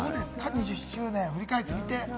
２０周年、振り返ってみて。